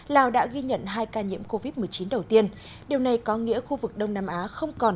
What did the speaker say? lào đã ghi nhận hai ca nhiễm covid một mươi chín đầu tiên điều này có nghĩa khu vực đông nam á không còn